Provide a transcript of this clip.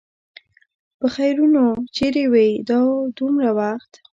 پخيرونو! چېرې وې دا دومره وخت؟